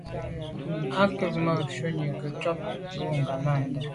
Á cúp mbə̄ shúnī nâʼ kghút jùp bǎʼ bû ŋgámbándá.